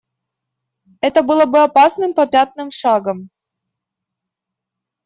Это было бы опасным попятным шагом.